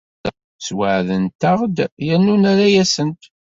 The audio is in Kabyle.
Sweɛdent-aɣ-d yernu nerra-asent.